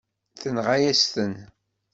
Tenɣa-yas-tent.